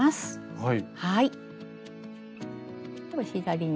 はい。